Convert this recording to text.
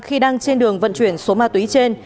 khi đang trên đường vận chuyển số ma túy trên